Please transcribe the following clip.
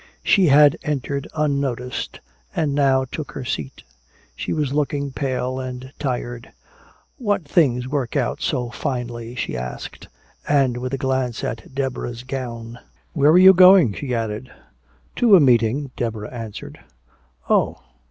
She had entered unnoticed and now took her seat. She was looking pale and tired. "What things work out so finely?" she asked, and with a glance at Deborah's gown, "Where are you going?" she added. "To a meeting," Deborah answered. "Oh."